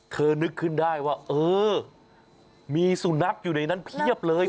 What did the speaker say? คือนึกขึ้นได้ว่ามีสุหนักอยู่นั้นเผี้ยบเลย